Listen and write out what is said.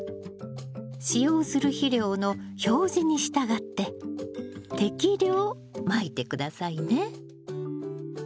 使用する肥料の表示に従って適量まいて下さいね。